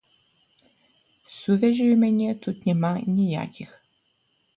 Сувязей у мяне тут няма ніякіх.